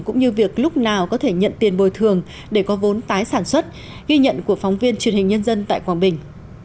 cũng như việc lúc nào có thể nhận tiền bồi thường để có vốn tái sản xuất ghi nhận của phóng viên truyền hình nhân dân tại quảng bình